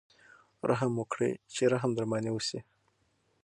رحم وکړئ چې رحم در باندې وشي.